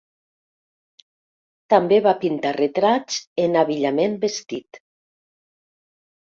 També va pintar retrats en abillament vestit.